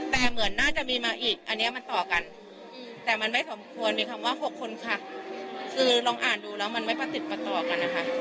แต่เหมือนน่าจะมีมาอีกอันนี้มันต่อกันแต่มันไม่สมควรมีคำว่า๖คนค่ะคือลองอ่านดูแล้วมันไม่ประติดประต่อกันนะคะ